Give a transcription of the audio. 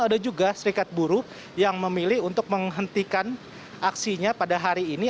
ada juga serikat buruh yang memilih untuk menghentikan aksinya pada hari ini